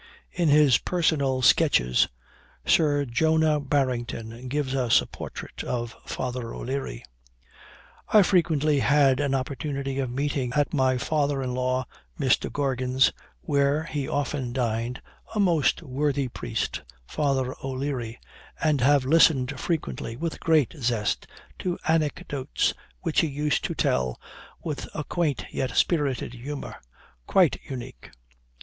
In his "Personal Sketches," Sir Jonah Barrington gives us a portrait of Father O'Leary: "I frequently had an opportunity of meeting at my father in law Mr. Grogan's, where he often dined, a most worthy priest, Father O'Leary, and have listened frequently, with great zest, to anecdotes which he used to tell with a quaint yet spirited humor, quite unique.